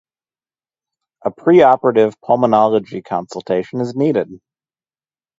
A preoperative pulmonology consultation is needed.